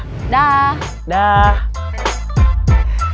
tapi gimana kalau emang udah rileks